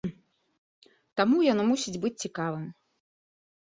Таму яно мусіць быць цікавым!